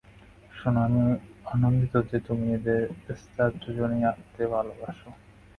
শোনো, আমি আনন্দিত যে তুমি আর এস্থার দুজনেই আঁকতে ভালবাসো।